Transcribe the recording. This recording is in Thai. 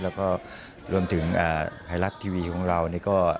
แล้วก็รวมถึงไทยรัฐทีวีของเรานี่ก็